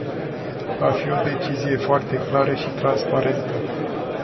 Va fi o decizie foarte clară și transparentă.